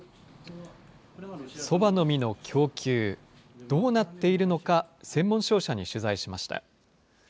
そばの実の供給、どうなっているのか、専門商社に取材しました。